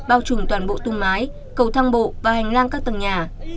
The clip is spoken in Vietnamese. bao trùm toàn bộ tung mái cầu thang bộ và hành lang các tầng nhà